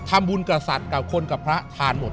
ทำบุญกับสัตว์กับคนกับพระทานหมด